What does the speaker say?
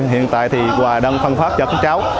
hiện tại thì quà đang phân pháp cho các cháu